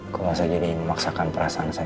kalau saya jadi yang memaksakan perasaan saya